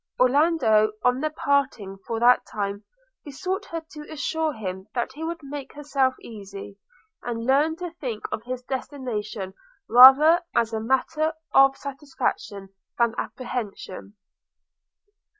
Orlando, on their parting for that time, besought her to assure him that she would make herself easy, and learn to think of his destination rather as a matter of satisfaction than apprehension.